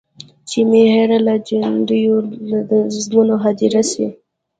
چي مي هېره له جنډیو د نظمونو هدیره سي.